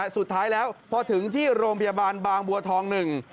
สุดท้ายแล้วพอถึงที่โรงพยาบาลบางบัวทองหนึ่ง